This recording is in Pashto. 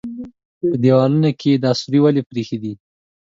_په دېوالونو کې يې دا سوري ولې پرېښي دي؟